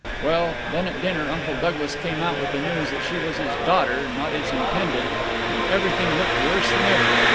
Well, then, at dinner, Uncle Douglas came out with the news that she was his daughter, not his intended, and everything looked worse than ever.